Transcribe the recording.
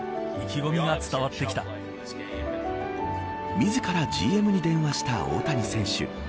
自らＧＭに電話した大谷選手。